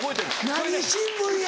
何新聞や⁉